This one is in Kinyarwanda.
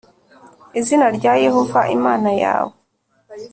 Izina rya yehova imana yawe